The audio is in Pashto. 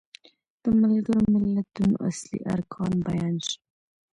د ملګرو ملتونو اصلي ارکان بیان شي.